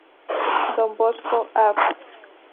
Don Bosco, Av.